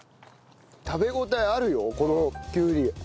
食べ応えあるよこのきゅうり。